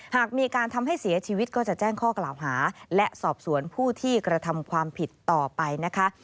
หากมีการทำให้เสียชีวิตก็จะแจ้งข้อกล่าวหาและสอบสวนผู้ที่กระทำความผิดต่อไปนะคะ